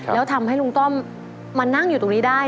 แล้วทำให้ลุงต้อมมานั่งอยู่ตรงนี้ได้